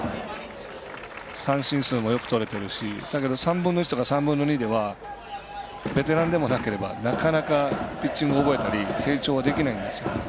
三振数もよくとれてるしだけど、３分の１とか３分の２ではベテランでもなければなかなかピッチングを覚えたり成長はできないんですよね。